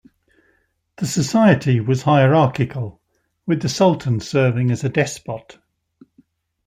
The society was hierarchical, with the sultan serving as despot.